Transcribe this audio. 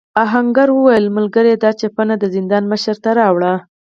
آهنګر وویل ملګري دا چپنه د زندان مشر ته راوړې.